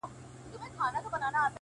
• ستا د علم او منطق سره ده سمه -